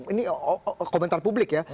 ini komentar publik ya